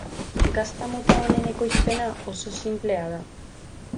Gazta mota honen ekoizpena oso sinplea da.